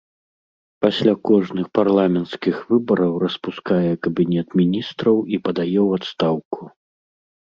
Пасля кожных парламенцкіх выбараў распускае кабінет міністраў і падае ў адстаўку.